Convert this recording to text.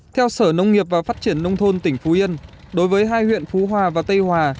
theo sở nông nghiệp và phát triển nông thôn tỉnh phú yên đối với hai huyện phú hòa và tây hòa